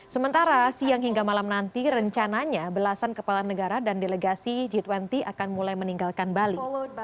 sementara siang hingga malam nanti rencananya belasan kepala negara dan delegasi g dua puluh akan mulai meninggalkan bali